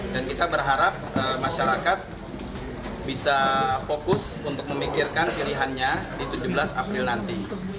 dan kita berharap masyarakat bisa fokus untuk memikirkan pilihannya di tujuh belas april nanti